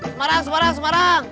semarang semarang semarang